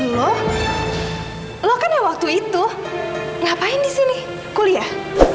lo kan ya waktu itu ngapain di sini kuliah